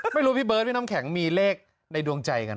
พี่เบิร์ดพี่น้ำแข็งมีเลขในดวงใจกัน